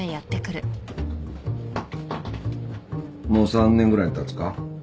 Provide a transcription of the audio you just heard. もう３年ぐらいたつか？